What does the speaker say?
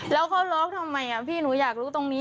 แล้วเขาร้องทำไมพี่หนูอยากรู้ตรงนี้